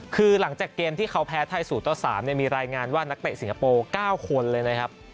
คือหลังจากเกมที่เขาแพ้ไทย๐ต่อ๓มีรายงานว่านักเตะสิงคโปร์๙คนเลยนะครับ